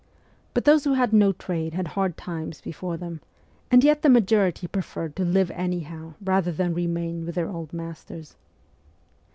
But those who had no trade had hard times before them, and yet the majority preferred to live anyhow rather than remain with their old masters.